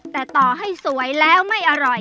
แต่ต่อให้สวยแล้วไม่อร่อย